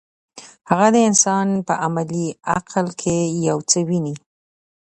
هغه د انسان په عملي عقل کې یو څه ویني.